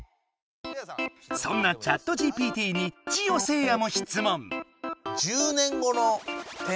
そんなＣｈａｔＧＰＴにジオせいやも質問。